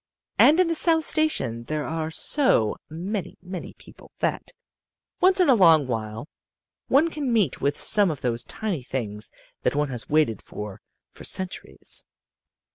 "And in the South Station there are so many, many people, that, once in a long while, one can meet with some of those tiny things that one has waited for for centuries.